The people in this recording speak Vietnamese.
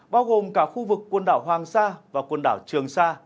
bao gồm cả khu vực quần đảo hoàng sa và quần đảo trường sa